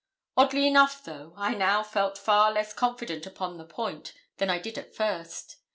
Oddly enough, though, I now felt far less confident upon the point than I did at first sight.